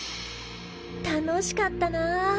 楽しかったな。